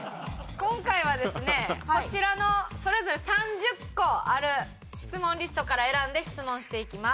今回はですねこちらのそれぞれ３０個ある質問リストから選んで質問していきます。